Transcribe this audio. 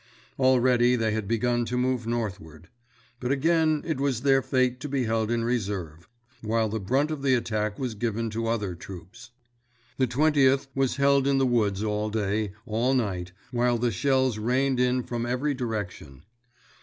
Already they had begun to move northward. But again it was their fate to be held in reserve, while the brunt of the attack was given to other troops. The Twentieth was held in the woods all day, all night, while the shells rained in from every direction.